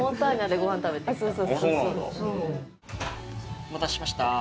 お待たせしました。